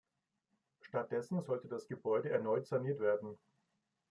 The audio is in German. Stattdessen sollte das Gebäude erneut saniert werden.